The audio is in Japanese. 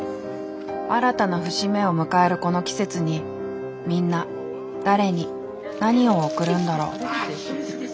新たな節目を迎えるこの季節にみんな誰に何を送るんだろう。